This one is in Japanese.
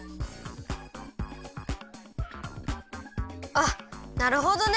あっなるほどね。